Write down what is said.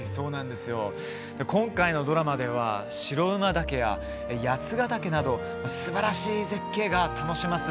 今回のドラマでは白馬岳や八ヶ岳などすばらしい絶景が楽しめます。